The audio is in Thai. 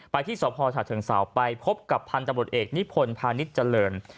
ไปที่สอบพอร์ฉะเชิงสาวไปพบกับพันธ์ตำรวจเอกนิพนธ์พาณิชย์เจริญ